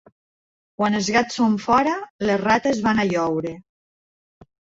Quan els gats són fora les rates van a lloure.